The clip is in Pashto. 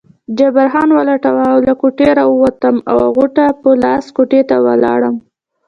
جبار خان ولټوه، له کوټې راووتم او غوټه په لاس کوټې ته ولاړم.